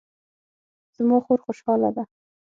زما خور خوشحاله ده